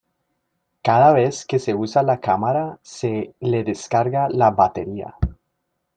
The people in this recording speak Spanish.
Cada vez que usa la cámara se le descarga la batería.